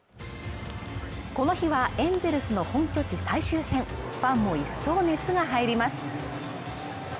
この日はエンゼルスの本拠地最終戦ファンも一層熱が入ります